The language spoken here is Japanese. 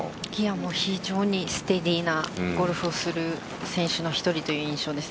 非常にステディーなゴルフをする選手の１人という印象です。